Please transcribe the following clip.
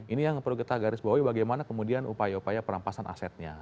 ini yang perlu kita garis bawahi bagaimana kemudian upaya upaya perampasan asetnya